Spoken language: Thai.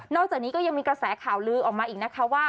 จากนี้ก็ยังมีกระแสข่าวลือออกมาอีกนะคะว่า